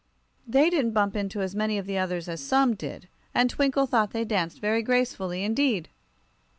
They didn't bump into as many of the others as some did, and Twinkle thought they danced very gracefully indeed.